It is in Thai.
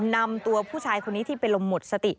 นำตัวผู้ชายคนนี้ที่เป็นลมหมดสติ